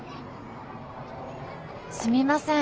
すみません。